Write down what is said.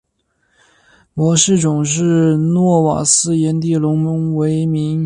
模式种是诺瓦斯颜地龙为名。